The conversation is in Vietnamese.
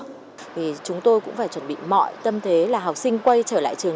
thì chúng tôi cũng phải chuẩn bị mọi tâm thế là học sinh quay trở lại trường